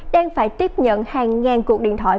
đang phải tiếp nhận hàng ngàn cuộc điện thoại